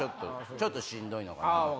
ちょっとしんどいのかな。